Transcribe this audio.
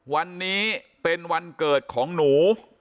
วันนี้เป็นวันเกิดของหนู